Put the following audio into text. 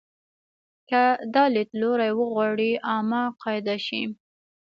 که دا لیدلوری وغواړي عامه قاعده شي.